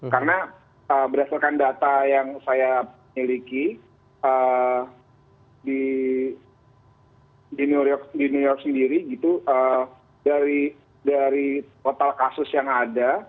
karena berdasarkan data yang saya miliki di new york sendiri dari total kasus yang ada